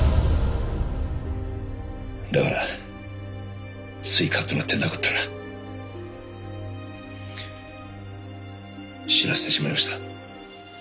だからついカッとなって殴ったら死なせてしまいました。